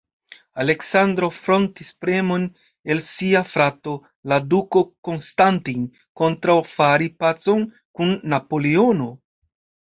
Aleksandro frontis premon el sia frato, la Duko Konstantin, kontraŭ fari pacon kun Napoleono.